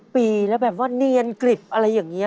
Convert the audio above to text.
ปีแล้วแบบว่าเนียนกริบอะไรอย่างนี้